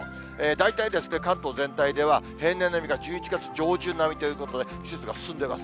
大体関東全体では、平年並みか１１月上旬並みということで、季節が進んでいます。